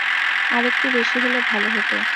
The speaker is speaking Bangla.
আরেকটু বেশি হলে ভালো হত।